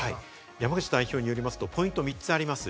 山口代表によるとポイントは３つあります。